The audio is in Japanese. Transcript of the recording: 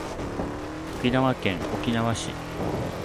沖縄県沖縄市